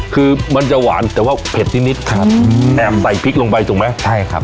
คือมันจะหวานแต่ว่าเผ็ดนิดครับแอบใส่พริกลงไปถูกไหมใช่ครับ